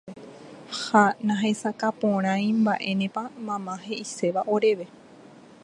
Ha nahesakãporãi mba'énepa mama he'iséva oréve.